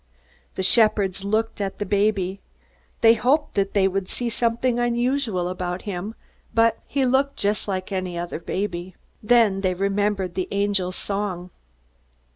The shepherds looked at the baby. They hoped that they would see something unusual about him, but he looked just like any other baby. Then they remembered the angels' song.